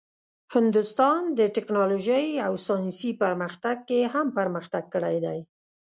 هندوستان د ټیکنالوژۍ او ساینسي پرمختګ کې هم پرمختګ کړی دی.